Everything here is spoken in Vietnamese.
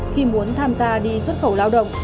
khi muốn tham gia đi xuất khẩu lao động